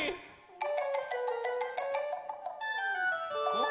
うん。